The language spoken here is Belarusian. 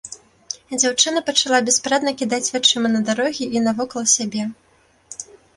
Дзяўчына пачала беспарадна кідаць вачыма на дарогі і навокал сябе.